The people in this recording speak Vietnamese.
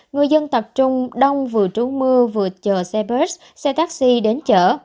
người dân tập trung đông vừa trú mưa vừa chờ xe buýt xe taxi đến chở